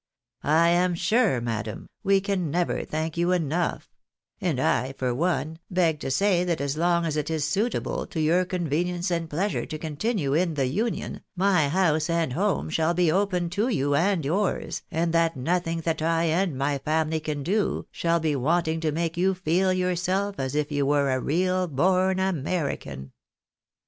I am sure, madam, we can never thank you enough ; and I, for one, beg to say that as long as it is suitable to your convenience and pleasure to continue in the Union, my house and home shall be open to you and yours, and that nothing that I and my family can do, shall be wanting to make you feel yourself as if you were a real born American."